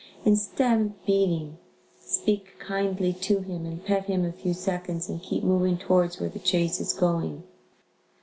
Instead of beating, speak kindly to him and pet him a few seconds and keep moving towards where the chase is going.